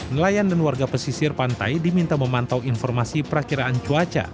nelayan dan warga pesisir pantai diminta memantau informasi perakiraan cuaca